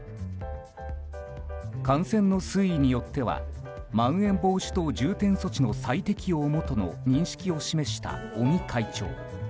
感染の推移によってはまん延防止等重点措置の再適用とも、との認識を示した尾身会長。